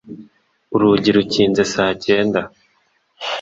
Urugi rukinze saa cyenda.